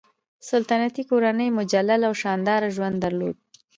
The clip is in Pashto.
سلطنتي کورنۍ مجلل او شانداره ژوند درلود.